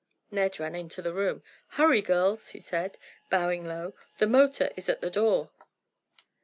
Ned ran into the room. "Hurry, girls," he said, bowing low, "the motor is at the door."